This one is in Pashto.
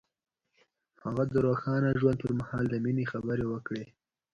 هغه د روښانه ژوند پر مهال د مینې خبرې وکړې.